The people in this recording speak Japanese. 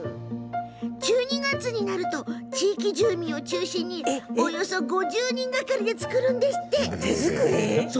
１２月になると地域住民を中心におよそ５０人がかりで作るんですって。